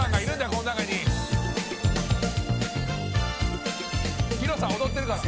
この中に」「ＨＩＲＯさん踊ってるから」